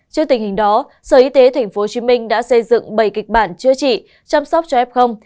trước tình hình đó sở y tế tp hcm đã xây dựng bảy kịch bản chữa trị chăm sóc cho f